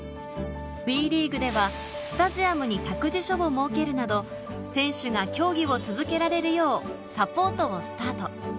ＷＥリーグでは、スタジアムに託児所を設けるなど、選手が競技を続けられるようサポートをスタート。